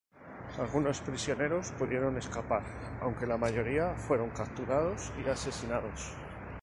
Algunos prisioneros pudieron escapar, aunque la mayoría fueron capturados y asesinados.